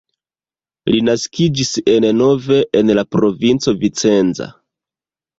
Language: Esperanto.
Li naskiĝis en Nove en la provinco Vicenza.